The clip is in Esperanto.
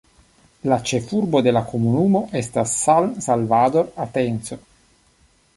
La ĉefurbo de la komunumo estas San Salvador Atenco.